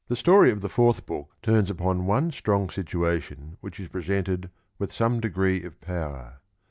Thc story of the fourth book turns upon one strong situation which is presented with some degree of power.